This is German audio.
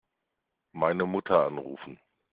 Meine Mutter anrufen.